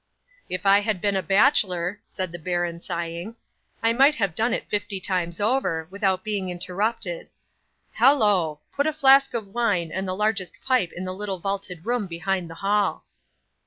'"If I had been a bachelor," said the baron sighing, "I might have done it fifty times over, without being interrupted. Hallo! Put a flask of wine and the largest pipe in the little vaulted room behind the hall."